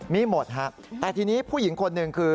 มีหมดฮะแต่ทีนี้ผู้หญิงคนหนึ่งคือ